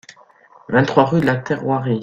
vingt-trois rue de la Terroirie